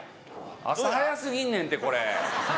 朝、早すぎんねんて、これ。